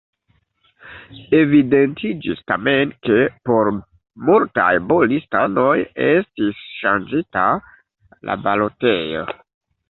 Evidentiĝis tamen, ke por multaj B-listanoj estis ŝanĝita la balotejo.